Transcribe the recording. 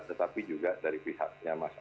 tetapi juga dari pihaknya mas